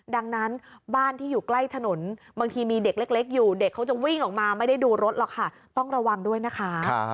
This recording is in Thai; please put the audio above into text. ดังนั้นบ้านที่อยู่ใกล้ถนนบางทีมีเด็กเล็กอยู่เด็กเขาจะวิ่งออกมาไม่ได้ดูรถหรอกค่ะต้องระวังด้วยนะคะ